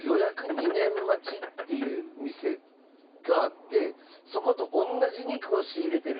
２年待ちっていう店があってそこと同じ肉を仕入れてる。